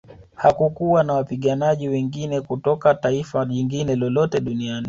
Hakukuwa na wapiganaji wengine kutoka taifa jingine lolote duniani